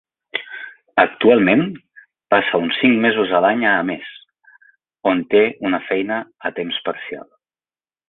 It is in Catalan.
Actualment, passa uns cinc mesos a l'any a Ames, on té una feina a temps parcial.